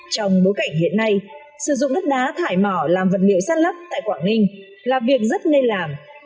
trong bối cảnh hiện nay sử dụng đất đá thải mò làm vật liệu săn lấp tại quảng ninh là việc rất ngây làm